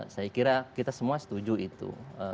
saya kira kita semua setuju itu